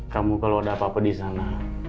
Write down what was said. kamu kalo ada apa apa disana